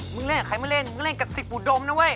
เล่นกับใครไม่เล่นมึงเล่นกับสิบอุดมนะเว้